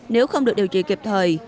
nếu không được điều trị kịp thời